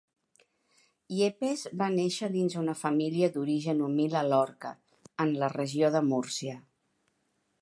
Yepes va néixer dins una família d'origen humil a Lorca, en la Regió de Múrcia.